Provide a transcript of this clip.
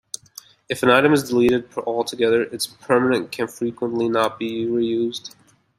If an item is deleted altogether, its permalink can frequently not be reused.